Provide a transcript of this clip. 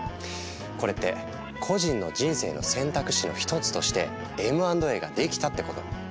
これって個人の人生の選択肢の一つとしてＭ＆Ａができたってこと。